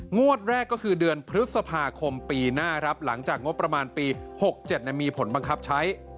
งวดแรกก็คือเดือนพฤษภาคมปีหน้าครับหลังจากงบประมาณปี๖๗มีผลบังคับใช้